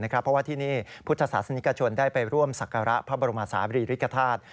เพราะว่าที่นี่พุทธศาสนิกชนได้ไปร่วมศักระพระบรมศาบรีริกฐาตุ